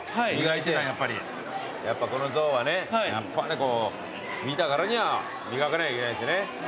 やっぱこの像はね見たからには磨かなきゃいけないですよね。